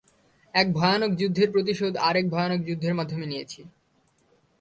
এক ভয়ানক যুদ্ধের প্রতিশোধ আরেক ভয়ানক যুদ্ধের মাধ্যমে নিয়েছি।